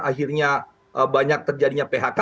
akhirnya banyak terjadinya phk